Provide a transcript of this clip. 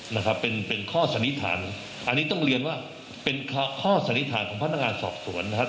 นะครับเป็นเป็นข้อสันนิษฐานอันนี้ต้องเรียนว่าเป็นข้อสันนิษฐานของพนักงานสอบสวนนะครับ